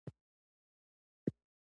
د فرار ګراف د اسمان لوړو کنګرو ته وخوت.